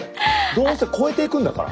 どうせ超えていくんだから。